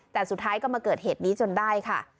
แต่สุดท้ายก็มาเกิดเหตุนี้จนได้ค่ะ